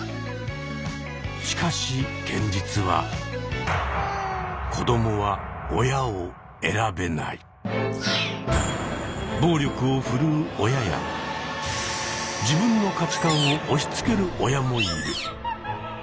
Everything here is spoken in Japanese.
しかし現実は暴力を振るう親や自分の価値観を押しつける親もいる。